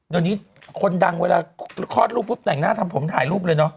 เดี๋ยวนี้คนดังเวลาคลอดลูกปุ๊บแต่งหน้าทำผมถ่ายรูปเลยเนอะ